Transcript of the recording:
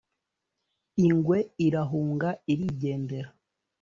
ingwe irahunga irigendera.